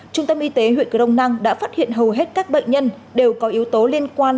trung tâm y tế huyện crong năng đã phát hiện hầu hết các bệnh nhân đều có yếu tố liên quan